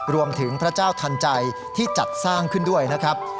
พระเจ้าทันใจที่จัดสร้างขึ้นด้วยนะครับ